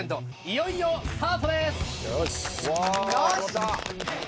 いよいよスタートです！